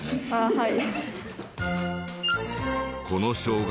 はい。